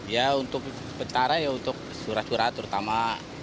ya untuk sementara ya untuk surat surat terutama